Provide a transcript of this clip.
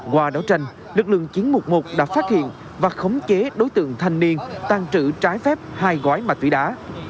qua đấu tranh lực lượng chín trăm một mươi một đã phát hiện và khống chế đối tượng thanh niên tàn trữ trái phép hai gói ma túy đá